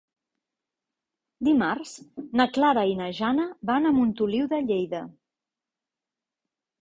Dimarts na Clara i na Jana van a Montoliu de Lleida.